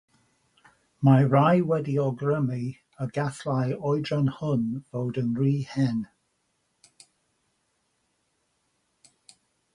Mae rhai wedi awgrymu y gallai'r oedran hwn fod yn rhy hen.